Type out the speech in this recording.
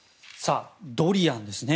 ドリアンですね。